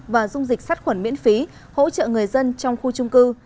và dung dịch sát khuẩn miễn phí hỗ trợ người dân trong khu trung cư